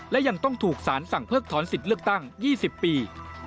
และยังต้องถูกสารสั่งเพิกถอนสิทธิ์เลือกตั้ง๒๐ปี